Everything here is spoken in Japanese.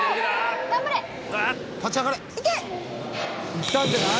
「いったんじゃない？」